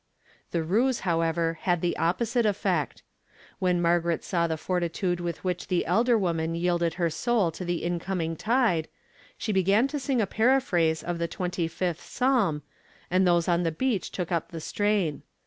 The ruse, however, had the opposite effect. When Margaret saw the fortitude with which the elder woman yielded her soul to the incoming tide, she began to sing a paraphrase of the twenty fifth Psalm, and those on the beach took up the strain.